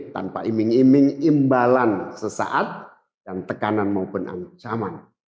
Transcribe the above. tanpa iming iming imbalan sesaat dan tekanan maupun ancaman